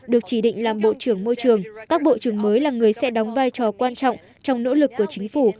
được chỉ định làm bộ trưởng môi trường các bộ trưởng mới là người sẽ đóng vai trò quan trọng trong nỗ lực của chính phủ